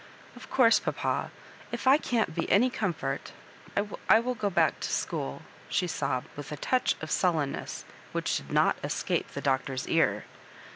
" Of course, papa, if I can't be any comfort — ^I will — go back to school," she sobbed, with a touch of snllenuess which did not escape the Doctor's ear.